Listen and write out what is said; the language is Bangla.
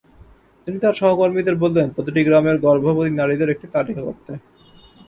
তিনি তাঁর সহকর্মীদের বললেন প্রতিটি গ্রামের গর্ভবতী নারীদের একটি তালিকা করতে।